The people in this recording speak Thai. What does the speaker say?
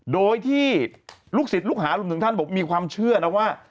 โดยที่ลูกศิษย์ลูกหารวมถึงท่านบอกมีความเชื่อนะว่า